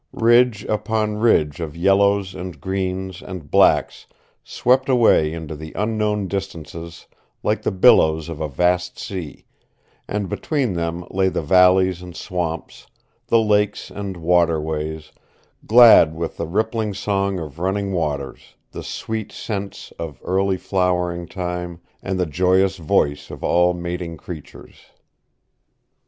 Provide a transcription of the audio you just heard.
Ridge upon ridge of yellows and greens and blacks swept away into the unknown distances like the billows of a vast sea; and between them lay the valleys and swamps, the lakes and waterways, glad with the rippling song of running waters, the sweet scents of early flowering time, and the joyous voice of all mating creatures.